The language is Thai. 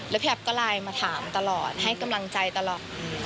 พี่แอฟก็ไลน์มาถามตลอดให้กำลังใจตลอด